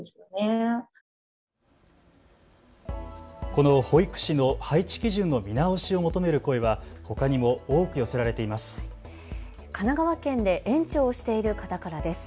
この保育士の配置基準の見直しを求める声はほかにも多く寄せられています。